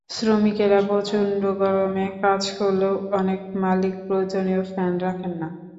শ্রমিকেরা প্রচণ্ড গরমে কাজ করলেও অনেক মালিক প্রয়োজনীয় ফ্যান রাখেন না।